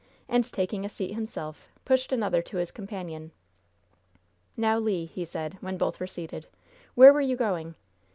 And taking a seat himself, pushed another to his companion. "Now, Le," he said, when both were seated, "where were you going?"